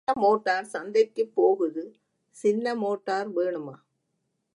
சின்ன மோட்டார் சந்தைக்குப் போகுது சின்ன மோட்டார் வேணுமா?